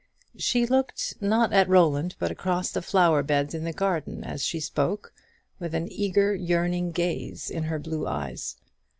She looked, not at Roland, but across the flower beds in the garden as she spoke, with an eager yearning gaze in her blue eyes.